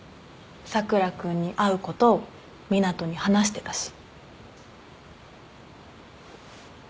佐倉君に会うこと湊斗に話してたし。